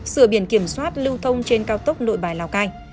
sửa biển kiểm soát lưu thông trên cao tốc nội bài lào cai